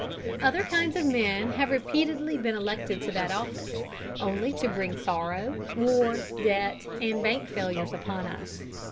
Other kinds of men have repeatedly been elected to that office, only to bring sorrow, war, debt, and bank failures upon us.